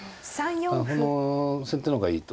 この先手の方がいいと。